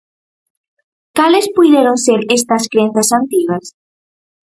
Cales puideron ser estas crenzas antigas?